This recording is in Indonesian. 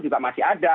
juga masih ada